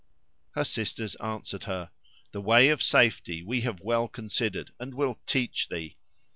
Her sisters answered her, "The way of safety we have well considered, and will teach thee.